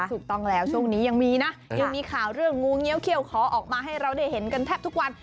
ถูกต้องแล้วช่วงนี้ยังมีนะยังมีข่าวเรื่องงูเงี้ยเขี้ยวขอออกมาให้เราได้เห็นกันแทบทุกวัน